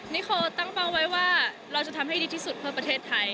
นิโคตั้งเป้าไว้ว่าเราจะทำให้ดีที่สุดเพื่อประเทศไทย